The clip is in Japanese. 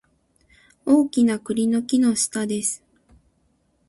大きな栗の木の下です